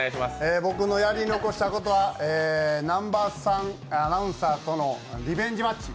僕のやり残したことは南波アナウンサーとのリベンジマッチ。